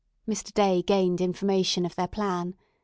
Mr. Day gained information of their plan.